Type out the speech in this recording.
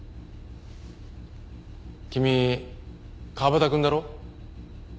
君川端くんだろ？